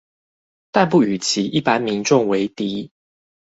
但不與其一般民眾為敵